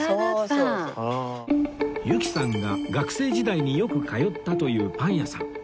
由紀さんが学生時代によく通ったというパン屋さん